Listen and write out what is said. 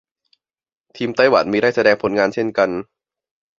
ทีมไต้หวันมีได้แสดงผลงานเช่นกัน